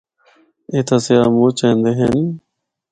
اِتھا سیاح مُچ ایندے ہن۔